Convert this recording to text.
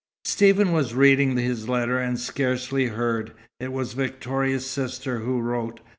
Stephen was reading his letter and scarcely heard. It was Victoria's sister who wrote.